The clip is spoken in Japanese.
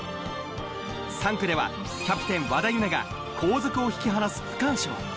３区ではキャプテン・和田有菜が後続を引き離す区間賞。